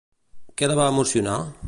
Què la va emocionar?